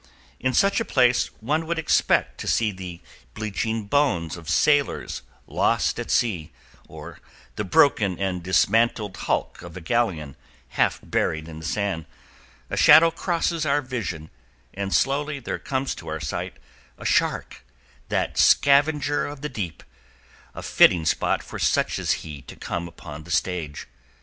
In such a place one would expect to see the bleaching bones of sailors, lost at sea, or the broken and dismantled hulk of a galleon, half buried in the sand. A shadow crosses our vision, and slowly there comes to our sight a shark, that scavenger of the deep, a fitting spot for such as he to come upon the stage.